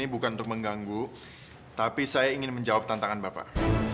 ini bukan untuk mengganggu tapi saya ingin menjawab tantangan bapak